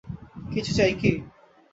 কিছু চাই কি।